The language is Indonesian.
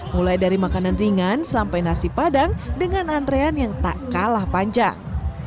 mulai dari makanan ringan sampai nasi padang dengan antrean yang tak kalah panjang